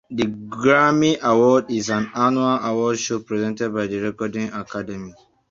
The Grammy Award is an annual award show presented by The Recording Academy.